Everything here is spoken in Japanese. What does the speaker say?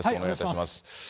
お願いいたします。